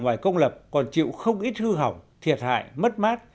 ngoài công lập còn chịu không ít hư hỏng thiệt hại mất mát